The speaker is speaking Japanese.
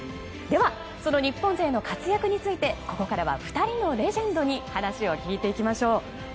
では、その日本勢の活躍についてここからは２人のレジェンドに話を聞いていきましょう。